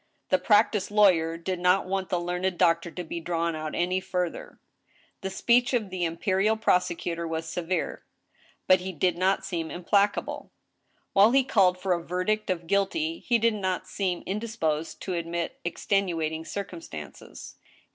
The practiced lawyer did not want the learned doctor to be drawn out any further. The speech of the imperial prosecutor was severe, but he did THE TRIAL, 205 not seem implacable. While he called for a verdict of guilty, he did not seem indisposed to admit extenuating circumstances.